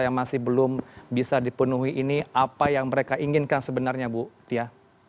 yang masih belum bisa dipenuhi ini apa yang mereka inginkan sebenarnya bu tia